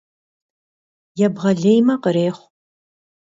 Ебгъэлеймэ — къреху.